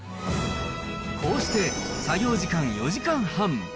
こうして作業時間４時間半。